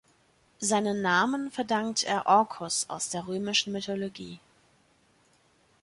Seinen Name verdankt er Orcus aus der römischen Mythologie.